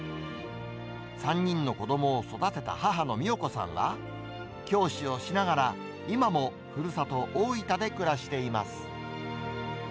３人の子どもを育てた母の美代子さんは、教師をしながら、今もふるさと、大分で暮らしています。